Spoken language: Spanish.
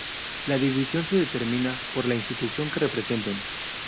La división se determina por la institución que representen.